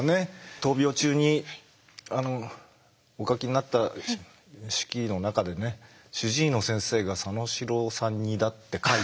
闘病中にお書きになった手記の中でね主治医の先生が佐野史郎さん似だって書いて。